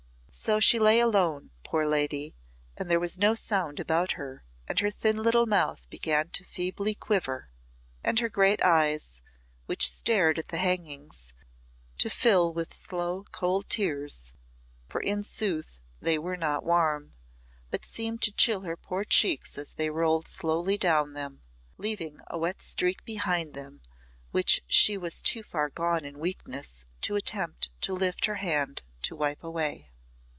So she lay alone, poor lady, and there was no sound about her, and her thin little mouth began to feebly quiver, and her great eyes, which stared at the hangings, to fill with slow cold tears, for in sooth they were not warm, but seemed to chill her poor cheeks as they rolled slowly down them, leaving a wet streak behind them which she was too far gone in weakness to attempt to lift her hand to wipe away.